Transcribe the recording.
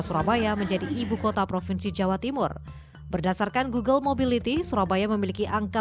surabaya menjadi ibu kota provinsi jawa timur berdasarkan google mobility surabaya memiliki angka